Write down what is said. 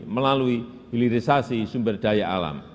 melalui hilirisasi sumber daya alam